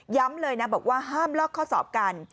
เลยนะบอกว่าห้ามลอกข้อสอบกัน